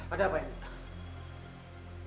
ada apa ini